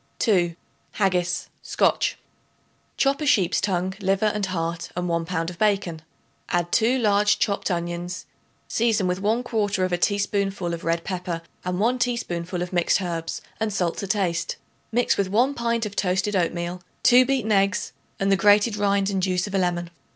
2. Haggis (SCOTCH). Chop a sheep's tongue, liver and heart and 1 pound of bacon. Add 2 large chopped onions; season with 1/4 teaspoonful of red pepper and 1 teaspoonful of mixed herbs and salt to taste. Mix with 1 pint of toasted oatmeal, 2 beaten eggs and the grated rind and juice of a lemon.